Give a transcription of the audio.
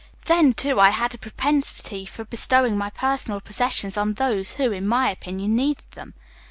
Then, too, I had a propensity for bestowing my personal possessions on those who, in my opinion, needed them.